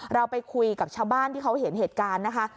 เราไปคุยกับชาวบ้านที่เขาเห็นเหตุการณ์นะคะ